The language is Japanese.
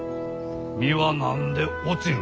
実は何で落ちる？